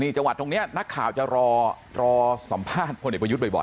นี่จังหวัดตรงนี้นักข่าวจะรอสัมภาษณ์คนเด็กเบื่อยุทธ์บ่อย